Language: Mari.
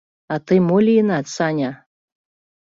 А тый мо лийынат, Саня?